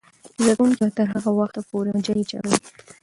زده کوونکې به تر هغه وخته پورې مجلې چاپوي.